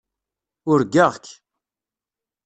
Urgaɣ-k.